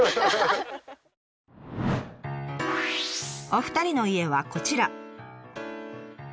お二人の家はこちら。